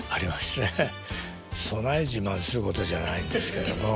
そない自慢することじゃないんですけども。